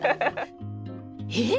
えっ！